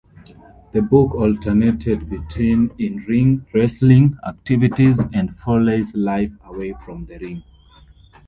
The book alternated between in-ring wrestling activities and Foley's life away from the ring.